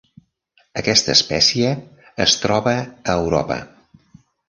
Aquesta espècie es troba a Europa.